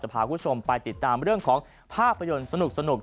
พาคุณผู้ชมไปติดตามเรื่องของภาพยนตร์สนุก